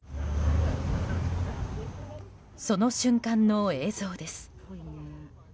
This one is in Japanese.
その瞬間の映像です。